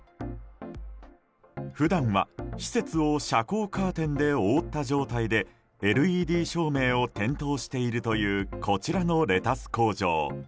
普段は、施設を遮光カーテンで覆った状態でＬＥＤ照明を点灯しているというこちらのレタス工場。